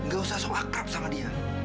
gak usah so akrab sama dia